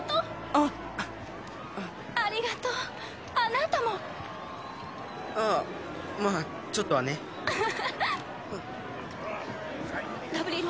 あっありがとうあなたもああまあちょっとはねガブリエル